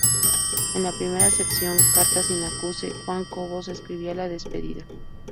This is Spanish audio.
En la primera sección "Carta sin acuse", Juan Cobos escribía la despedida.